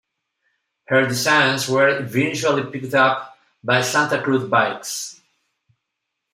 Her designs were eventually picked up by Santa Cruz Bikes.